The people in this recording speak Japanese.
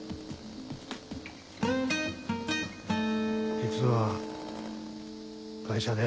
実は会社で。